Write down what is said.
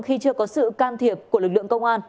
khi chưa có sự can thiệp của lực lượng công an